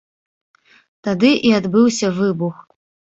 Тады і адбыўся выбух.